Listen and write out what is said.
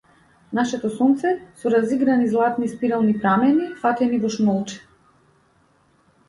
Нашето сонце, со разиграни златни спирални прамени, фатени во шнолче.